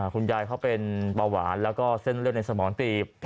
คุณยายเขาเป็นเบาหวานแล้วก็เส้นเลือดในสมองตีบ